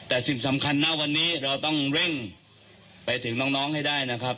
แต่สิ่งสำคัญนะวันนี้เราต้องเร่งไปถึงน้องให้ได้นะครับ